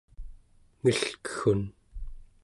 ngelkeggun